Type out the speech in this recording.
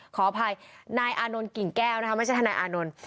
ขออภัยนายอานนท์กิ่งแก้วนะคะไม่ใช่ทนายอานนท์